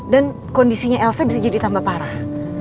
dan kondisinya elsa bisa jadi tambah parah